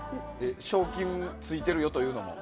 賞金ついてるよというのも？